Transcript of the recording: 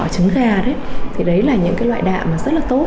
trứng gà đấy thì đấy là những loại đạm rất là tốt